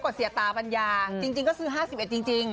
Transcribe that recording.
เสียตาปัญญาจริงก็ซื้อ๕๑จริง